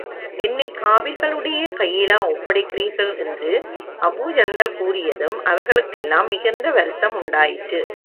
என்னைக் காபிர்களுடைய கையிலா ஒப்படைக்கிறீர்கள்? என்று அபூ ஜந்தல் கூறியதும், அவர்களுக்கெல்லாம் மிகுந்த வருத்தம் உண்டாயிற்று.